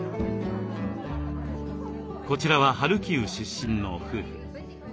こちらはハルキウ出身の夫婦。